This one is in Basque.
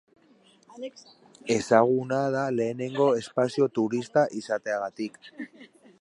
Ezaguna da lehenengo espazio-turista izateagatik.